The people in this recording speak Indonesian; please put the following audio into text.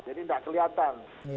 jadi tidak kelihatan